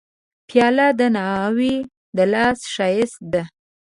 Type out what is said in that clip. پیاله د ناوې د لاس ښایسته ده.